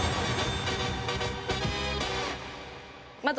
まず。